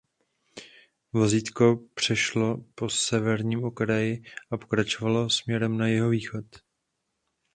Vozítko přešlo po severním okraji a pokračovalo směrem na jihovýchod.